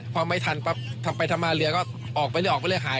พอไม่ทันปั๊บทำไปทำมาเรือก็ออกไปเลยออกไปเลยหาย